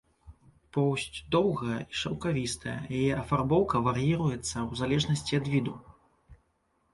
Поўсць доўгая і шаўкавістая, яе афарбоўка вар'іруецца ў залежнасці ад віду.